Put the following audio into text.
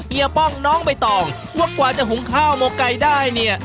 ป้องน้องใบตองว่ากว่าจะหุงข้าวหมกไก่ได้เนี่ย